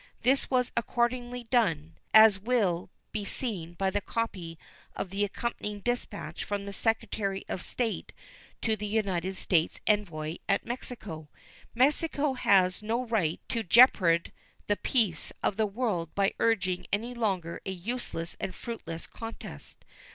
This was accordingly done, as will be seen by the copy of the accompanying dispatch from the Secretary of State to the United States envoy at Mexico. Mexico has no right to jeopard the peace of the world by urging any longer a useless and fruitless contest.